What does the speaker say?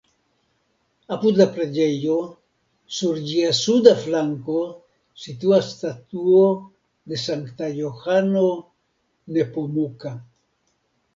Apud la preĝejo, sur ĝia suda flanko, situas statuo de Sankta Johano Nepomuka.